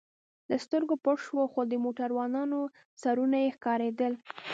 له سترګو پټ شو، خو د موټروانانو سرونه یې ښکارېدل.